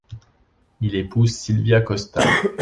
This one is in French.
Il épouse Silvia Costa.